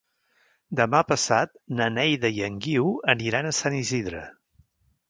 Demà passat na Neida i en Guiu aniran a Sant Isidre.